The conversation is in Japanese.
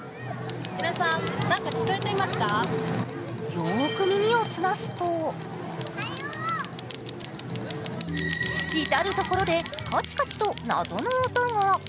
よく耳を澄ますと至る所でカチカチと謎の音が。